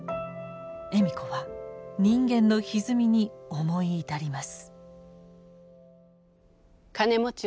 笑子は人間のひずみに思い至ります。